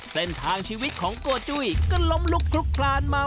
เส้นทางชีวิตของก๋วยเตี๋ยวก็ล้อมลุกคลุกพลานมา